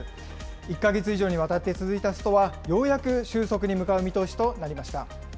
１か月以上にわたって続いたストはようやく収束に向かう見通しとなりました。